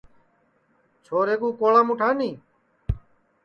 چھورے کُو کولام اُٹھانی